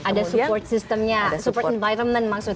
ada support systemnya support environment maksudnya